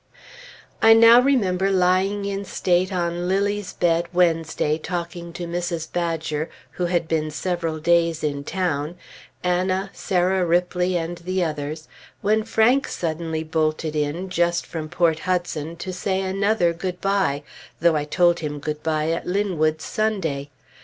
I now remember lying in state on Lilly's bed Wednesday, talking to Mrs. Badger (who had been several days in town), Anna, Sarah Ripley, and the others, when Frank suddenly bolted in, just from Port Hudson, to say another good bye, though I told him good bye at Linwood Sunday.